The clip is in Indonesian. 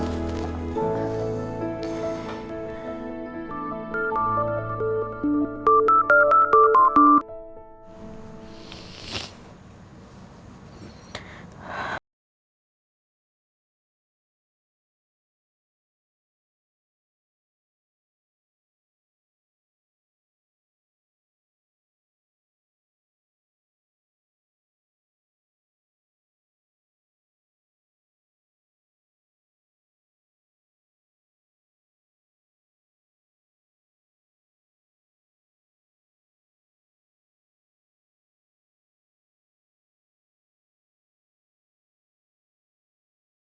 aku mau istirahat lagi